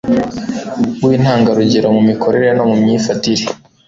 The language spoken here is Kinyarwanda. w'intangarugero mu mikorere no mu myifatire